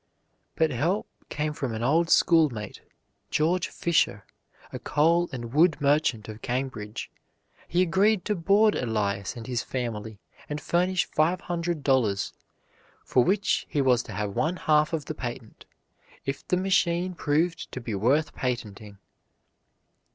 But help came from an old schoolmate, George Fisher, a coal and wood merchant of Cambridge. He agreed to board Elias and his family and furnish five hundred dollars, for which he was to have one half of the patent, if the machine proved to be worth patenting.